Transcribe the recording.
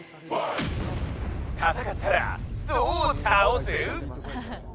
戦ったら、どう倒す？